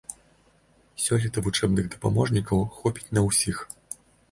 Сёлета вучэбных дапаможнікаў хопіць на усіх.